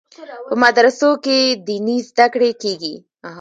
په مدرسو کې دیني زده کړې کیږي.